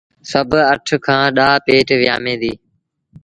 سڀ اٺ کآݩ ڏآه پيٽ ويٚآمي ديٚ۔